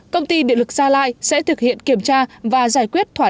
công ty điện lực gia lai sẽ thực hiện kiểm tra và giải quyết thỏa thuận